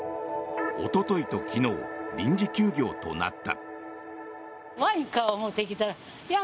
おとといと昨日臨時休業となった。